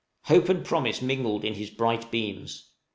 Hope and promise mingled in his bright beams.